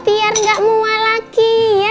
biar nggak mau mau lagi ya